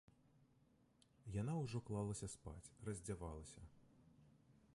Яна ўжо клалася спаць, раздзявалася.